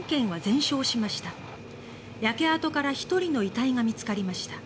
焼け跡から１人の遺体が見つかりました。